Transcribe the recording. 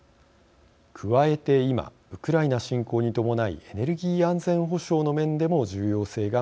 加えて今ウクライナ侵攻に伴いエネルギー安全保障の面でも重要性が増しています。